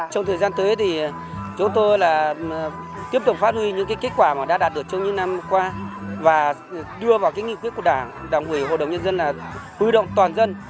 trong thời gian tới thì chúng tôi là tiếp tục phát huy những kết quả mà đã đạt được trong những năm qua và đưa vào cái nghị quyết của đảng đảng ủy hội đồng nhân dân là huy động toàn dân